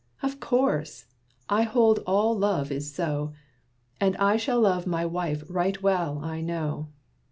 Of course! I hold all love is so: And I shall love my wife right well, I know.